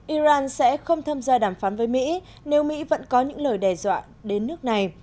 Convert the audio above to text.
iran sẽ không tham gia đàm phán với mỹ nếu mỹ vẫn có những lời đe dọa đến nước này